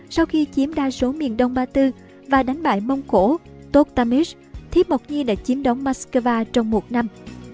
sau khi chiếm đa số miền đông ba tư và đánh bại mông cổ tô tâm ích thiếp mộc nhi đã chiếm đóng moskva trong một năm